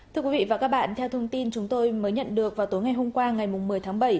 thưa quý vị và các bạn theo thông tin chúng tôi mới nhận được vào tối ngày hôm qua ngày một mươi tháng bảy